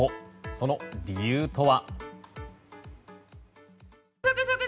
その理由とは。